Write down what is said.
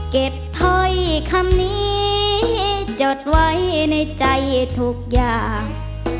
เก็บถ้อยคำนี้จดไว้ในใจทุกอย่าง